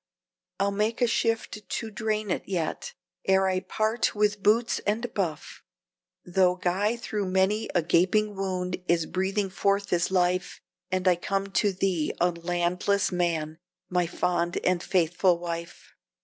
I'll make a shift to drain it yet, ere I part with boots and buff; Though Guy through many a gaping wound is breathing forth his life, And I come to thee a landless man, my fond and faithful wife!